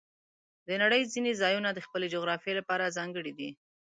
د نړۍ ځینې ځایونه د خپلې جغرافیې لپاره ځانګړي دي.